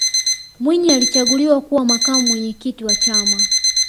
mwinyi alichaguliwa kuwa makamu mwenyekiti wa chama